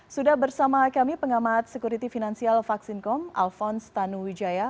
sudah bersama kami pengamat sekuriti finansial vaksin com alphonse tanuwijaya